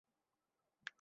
তাড়াতাড়ি ফোন করো, মামা।